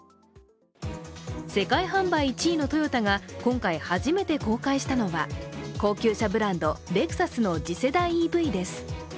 世界販売一位のトヨタが今回初めて公開したのは高級車ブランドレクサスの次世代ＥＶです。